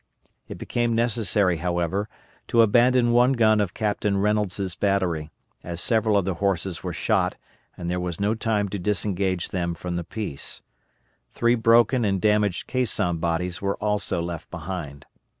It became necessary, however, to abandon one gun of Captain Reynolds' battery, as several of the horses were shot and there was no time to disengage them from the piece. Three broken and damaged caisson bodies were also left behind.